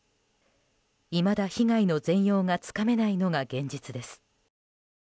いまだ被害の全容がつかめないのが現実です。